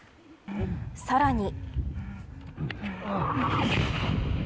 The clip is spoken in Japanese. さらに。